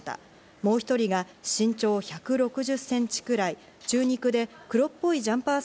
もう１人が身長１６０センチくらい、中肉で黒っぽいジャンパー